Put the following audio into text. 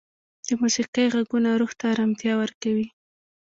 د موسیقۍ ږغونه روح ته ارامتیا ورکوي.